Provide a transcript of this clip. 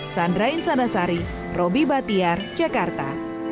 sandra insandasari robi batiar jakarta